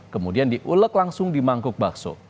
kemudian diulek langsung di mangkuk bakso